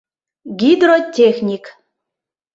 — Гидротехник!